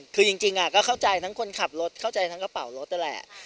คือจริงก็เข้าใจทั้งคนขับรถเข้าใจทั้งกระเป๋ารถนั่นแหละ